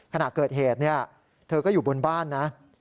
ขณะเกิดเหตุเธอก็อยู่บนบ้านนะ